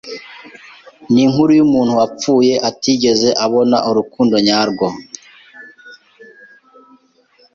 Ninkuru yumuntu wapfuye atigeze abona urukundo nyarwo.